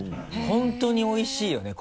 本当においしいよね